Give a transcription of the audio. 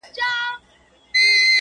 زه به دلته قتل باسم د خپلوانو-